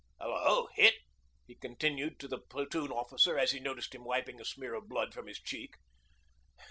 ... Hullo hit?' he continued to the Platoon officer, as he noticed him wiping a smear of blood from his cheek.